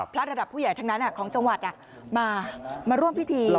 ระดับผู้ใหญ่ทั้งนั้นของจังหวัดมาร่วมพิธี